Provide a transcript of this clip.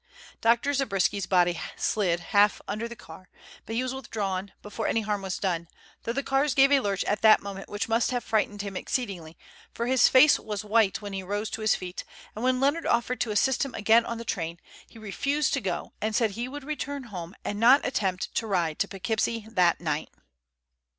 Dr. Zabriskie's body slid half under the car, but he was withdrawn before any harm was done, though the cars gave a lurch at that moment which must have frightened him exceedingly, for his face was white when he rose to his feet, and when Leonard offered to assist him again on the train, he refused to go and said he would return home and not attempt to ride to Poughkeepsie that night.